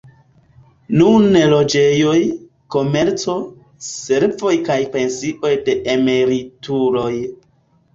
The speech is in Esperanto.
Nune loĝejoj, komerco, servoj kaj pensioj de emerituloj.